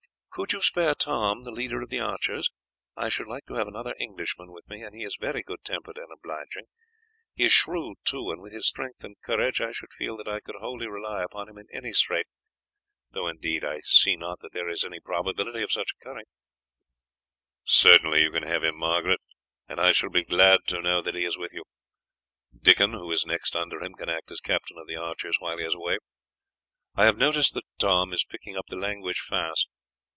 "Could you spare Tom, the leader of the archers? I should like to have another Englishman with me, and he is very good tempered and obliging. He is shrewd too, and with his strength and courage I should feel that I could wholly rely upon him in any strait, though indeed I see not that there is any probability of such occurring." "Certainly you can have him, Margaret, and I shall be glad to know that he is with you. Dickon, who is next under him, can act as captain of the archers while he is away. I have noticed that Tom is picking up the language fast.